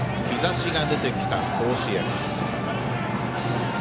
日ざしが出てきた甲子園。